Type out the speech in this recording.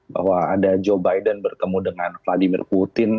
bahwa ada joe biden bertemu dengan vladimir putin